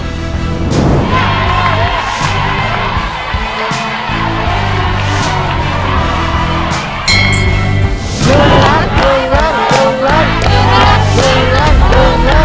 เกิดวิกฤทธิ์